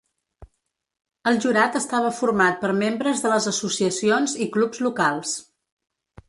El jurat estava format per membres de les associacions i clubs locals.